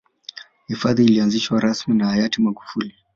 hifadhi ilianzishwa rasmi na hayati magufuli